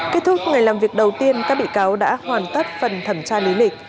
kết thúc ngày làm việc đầu tiên các bị cáo đã hoàn tất phần thẩm tra lý lịch